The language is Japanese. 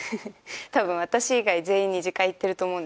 多分私以外全員２次会行ってると思うんですけど。